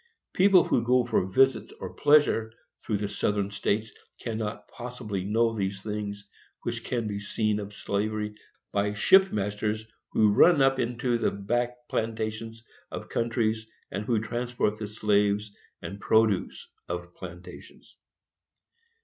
People who go for visits or pleasure through the Southern States cannot possibly know those things which can be seen of slavery by ship masters who run up into the back plantations of countries, and who transport the slaves and produce of plantations.